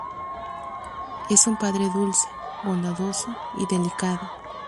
Es un padre dulce, bondadoso y delicado.